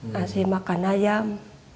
masih makan ayam